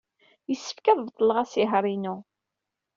Yessefk ad beṭleɣ asihaṛ-inu.